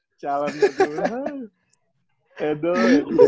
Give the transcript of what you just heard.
satu tiap hari katanya